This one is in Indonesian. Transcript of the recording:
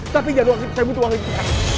tapi jangan uang saya butuh uang ini